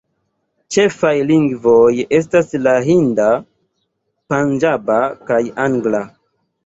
Ĉefaj lingvoj estas la hinda, panĝaba kaj angla.